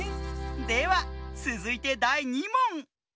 ではつづいてだい２もん！